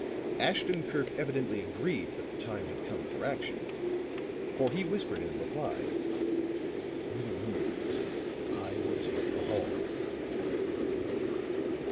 Ashton Kirk evidently agreed that the time had come for action, for he whispered in reply: "Through the rooms! I will take the hall!"